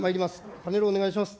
パネル、お願いします。